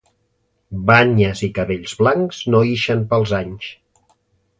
Banyes i cabells blancs, no ixen pels anys